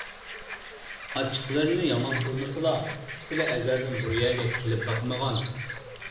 ئاچچىقلىرىنى يامان قىلمىسىلا، سىلى ئەزەلدىن بۇ يەرگە كېلىپ باقمىغان.